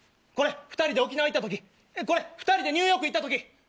これ２人で沖縄行った時これ２人でニューヨーク行った時！